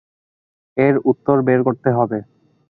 এর উত্তর বের করতে হবে।